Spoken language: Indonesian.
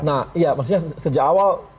nah ya maksudnya sejak awal